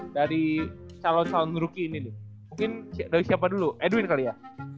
dari calon calon ruki ini nih mungkin dari siapa dulu edwin kali ya